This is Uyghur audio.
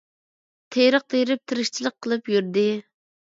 تېرىق تېرىپ ، تىرىكچىلىك قىلىپ يۈردى.